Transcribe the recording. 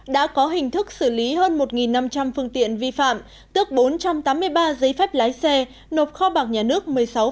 đã có hình thức xử lý hơn một năm trăm linh phương tiện vi phạm tức bốn trăm tám mươi ba giấy phép lái xe nộp kho bạc nhà nước một mươi sáu